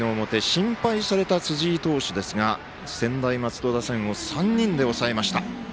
心配された辻井投手ですが専大松戸打線を３人で抑えました。